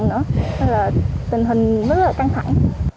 nên là tình hình rất là căng thẳng